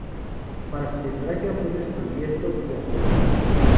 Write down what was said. Para su desgracia fue descubierto y aprehendido.